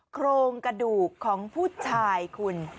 โครงกระดูกของผู้ชายคุณ